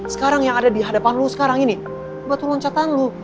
sekarang yang ada di hadapan lu sekarang ini batu loncatan lu